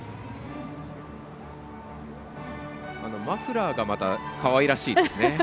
マフラーがまた、かわいらしいですね。